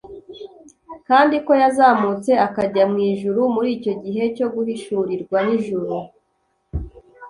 kandi ko yazamutse akajya mu ijuru. Muri icyo gihe cyo guhishurirwa n’ijuru,